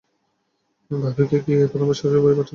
ভাবিকে কি এই প্রথমবার শশুর বাড়ি পাঠাচ্ছেন?